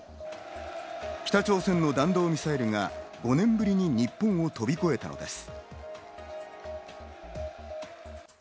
北朝鮮の弾道ミサイルが５年ぶりに日本を飛び越えたのです。